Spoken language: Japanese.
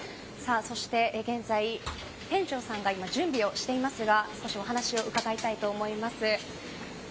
そして現在、店長さんが準備をしていますが少しお話を伺いたいと思います。